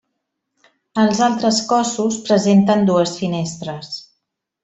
Els altres cossos presenten dues finestres.